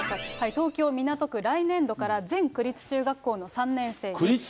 東京・港区、来年度から全区立中学校の３年生で。